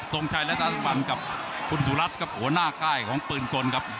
ทรงชัยและจันบันกับคุณสุรัตน์ครับหัวหน้าค่ายของปืนกลครับ